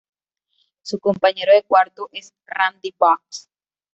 Su compañero de cuarto es Randy Boggs.